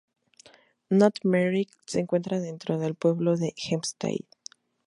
North Merrick se encuentra dentro del pueblo de Hempstead.